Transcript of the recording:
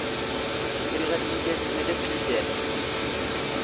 ⵔⵉⵖ ⴰⴷ ⵉⵢⵉ ⵜⴰⵍⵙⴷ ⵎⴰⴷ ⴰⴽⴽⵯ ⵉⵎⵙⴰⵔⵏ.